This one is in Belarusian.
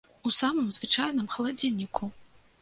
У самым звычайным халадзільніку!